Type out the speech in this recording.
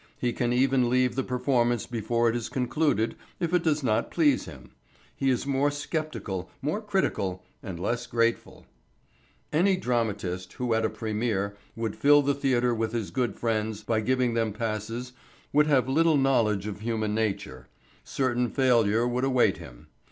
He can even leave the performance before it is concluded if it does not please him. He is more sceptical, more critical, and less grateful. Any dramatist who at a première would fill the theatre with his good friends by giving them passes would have little knowledge of human nature; certain failure would await him.